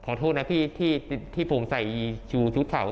ขอโทษนะพี่ที่ผมใส่ชูชุดเผา